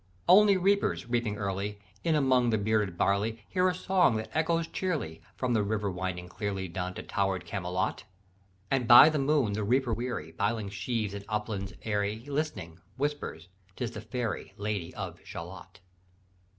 "Only reapers, reaping early In among the bearded barley, Hear a song that echoes cheerly, From the river winding clearly, Down to tower'd Camelot: And by the moon the reaper weary, Piling sheaves in uplands airy, Listening, whispers, ''Tis the fairy Lady of Shalott.'